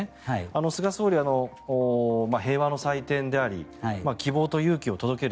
菅総理は平和の祭典であり希望と勇気を届ける。